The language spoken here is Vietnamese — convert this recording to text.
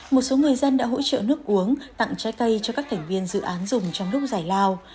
một số người dân đã hỗ trợ nước uống tặng trái cây cho các thành viên dự án dùng trong lúc giải lao